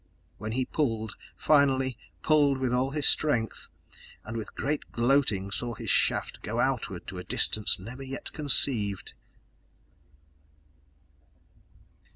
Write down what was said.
When he pulled, finally, pulled with all his strength, and with great gloating saw his shaft go outward to a distance never yet conceived....